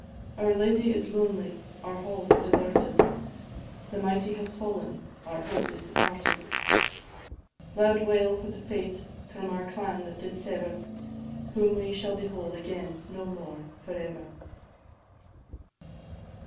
Our lady is lonely, our halls are deserted The mighty is fallen, our hope is departed Loud wail for the fate from our clan that did sever, Whom we shall behold again no more for ever.